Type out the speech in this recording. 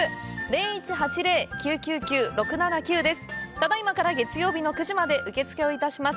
ただいまから月曜日の９時まで受け付けをいたします。